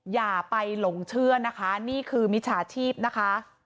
อย่าไปหลงเชื่อนะคะนี่คือมิจฉาชีพนะคะ